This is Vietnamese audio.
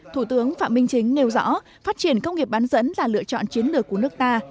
thủ tướng phạm minh chính nêu rõ phát triển công nghiệp bán dẫn là lựa chọn chiến lược của nước ta